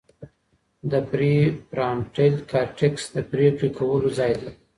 د پریفرانټل کارټېکس د پرېکړې کولو ځای دی.